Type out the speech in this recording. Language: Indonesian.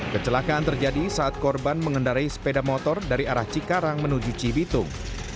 kecelakaan terjadi saat korban mengendarai sepeda motor dari arah cikarang menuju cibitung